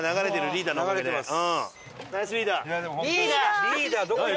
リーダー！